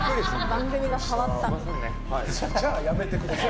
番組が変わった。